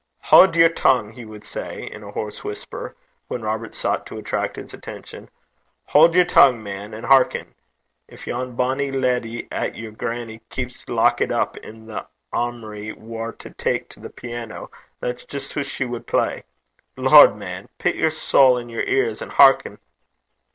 'Haud yer tongue!' he would say in a hoarse whisper, when Robert sought to attract his attention; 'haud yer tongue, man, and hearken. Gin yon bonny leddy 'at yer grannie keeps lockit up i' the aumry war to tak to the piano, that's jist hoo she wad play. Lord, man! pit yer sowl i' yer lugs, an' hearken.'